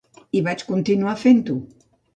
I vaig continuar fent-ho.